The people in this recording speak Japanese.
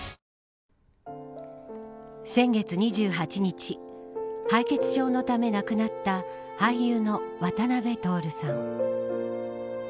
先月２８日敗血症のため亡くなった俳優の渡辺徹さん。